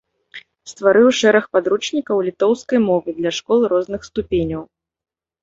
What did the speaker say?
Стварыў шэраг падручнікаў літоўскай мовы для школ розных ступеняў.